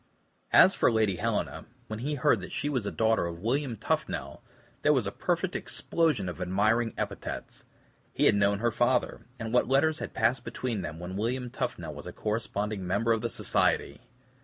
As for Lady Helena, when he heard that she was a daughter of William Tuffnell, there was a perfect explosion of admiring epithets. He had known her father, and what letters had passed between them when William Tuffnell was a corresponding member of the Society!